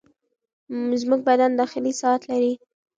زموږ بدن داخلي ساعت لري.